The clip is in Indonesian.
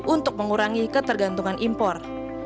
untuk mengurangi ketergantungan impor